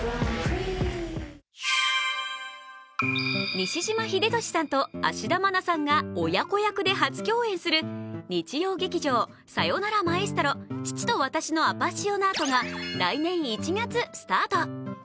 西島秀俊さんと芦田愛菜さんが親子役で初共演する日曜劇場「さよならマエストロ父と私のアパッシオナート」が来年１月スタート。